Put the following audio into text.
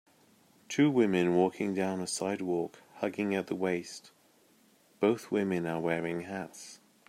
Two women walking down a sidewalk hugging at the waist, both women are wearing hats.